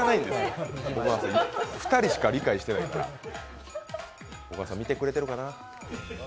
２人しか理解してないから、オガワさん見てくれてるかな？